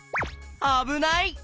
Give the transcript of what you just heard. あぶない！